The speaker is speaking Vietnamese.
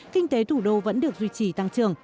kinh tế thủ đô vẫn được duy trì tăng trưởng